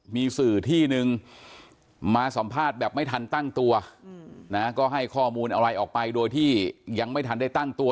มีสื่อที่นึงมาสัมภาษณ์แบบไม่ทันตั้งตัวนะก็ให้ข้อมูลอะไรออกไปโดยที่ยังไม่ทันได้ตั้งตัว